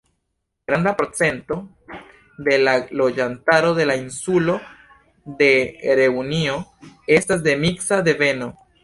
Granda procento de la loĝantaro de la insulo de Reunio estas de miksa deveno.